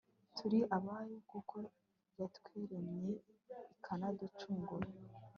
turi abayo kuko yatwiremeye ikanaducungura